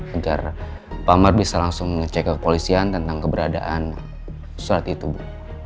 agar pak amar bisa langsung ngecek ke polisian tentang keberadaan surat itu bu